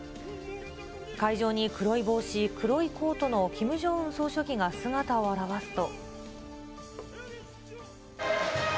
会場に黒い帽子、黒いコートのキム・ジョンウン総書記が姿を現すと。